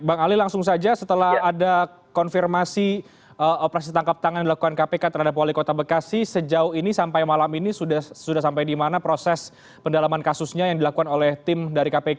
bang ali langsung saja setelah ada konfirmasi operasi tangkap tangan dilakukan kpk terhadap wali kota bekasi sejauh ini sampai malam ini sudah sampai di mana proses pendalaman kasusnya yang dilakukan oleh tim dari kpk